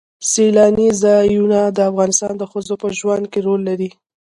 سیلانی ځایونه د افغان ښځو په ژوند کې رول لري.